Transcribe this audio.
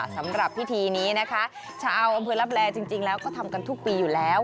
สำหรับพิธีนี้นะคะชาวอำเภอลับแลจริงแล้วก็ทำกันทุกปีอยู่แล้ว